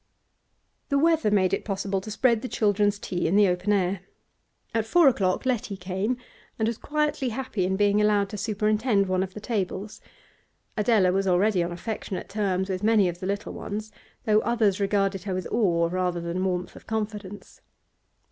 The weather made it possible to spread the children's tea in the open air. At four o'clock Letty came, and was quietly happy in being allowed to superintend one of the tables. Adela was already on affectionate terms with many of the little ones, though others regarded her with awe rather than warmth of confidence.